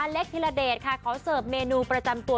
อเล็กทีละเดชค่ะขอเซิญเป็นเมนูประจำตัว